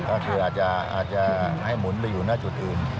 ก็คืออาจจะให้หมุนไปอยู่หน้าจุดอื่น